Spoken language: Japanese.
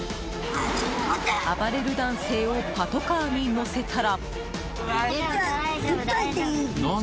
暴れる男性をパトカーに乗せたら。